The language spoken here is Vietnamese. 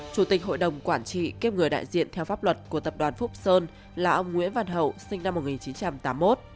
chủ tịch hội đồng quản trị kiêm người đại diện theo pháp luật của tập đoàn phúc sơn là ông nguyễn văn hậu sinh năm một nghìn chín trăm tám mươi một